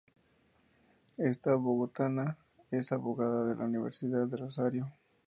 Esta bogotana es abogada de la Universidad del Rosario.